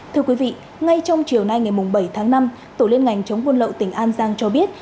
thưa quý vị ngay trong chiều nay ngày bảy tháng năm tổ liên ngành chống buôn lậu tỉnh an giang cho biết